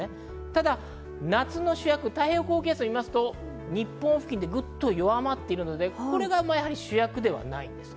ただ夏の主役、太平洋高気圧をみますと、日本付近でぐっと弱まってるのでこれが主役ではないんです。